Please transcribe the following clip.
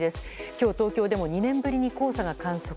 今日、東京でも２年ぶりに黄砂を観測。